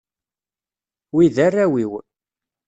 Wi d arraw-iw.